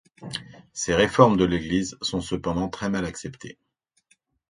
Ses réformes de l'Église sont cependant très mal acceptées.